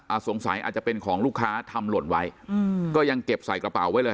สงสัยอาจจะเป็นของลูกค้าทำหล่นไว้อืมก็ยังเก็บใส่กระเป๋าไว้เลย